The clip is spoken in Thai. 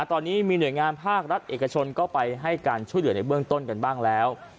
ตอนนี้มีหน่วยงานภาครัฐเอกชนก็ไปให้การช่วยเหลือในเบื้องต้นกันบ้างแล้ว